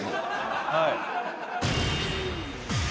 はい。